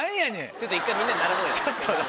ちょっと一回みんなで並ぼうよ。